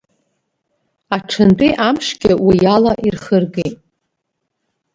Аҽынтәи амшгьы уи ала ирхыргеит.